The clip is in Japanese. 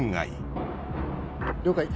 了解。